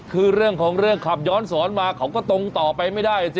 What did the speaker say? คือเรื่องของเรื่องขับย้อนสอนมาเขาก็ตรงต่อไปไม่ได้สิ